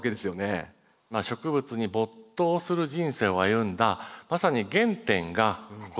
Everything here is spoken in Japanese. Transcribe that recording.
植物に没頭する人生を歩んだまさに原点がここ